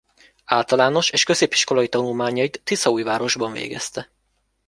Általános- és középiskolai tanulmányait Tiszaújvárosban végezte.